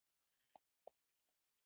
مرسته ونه سوه کړای.